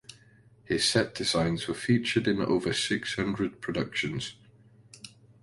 His set designs were featured in over six hundred productions.